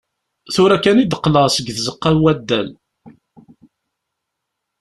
Tura kan i d-qqleɣ seg tzeqqa n waddal.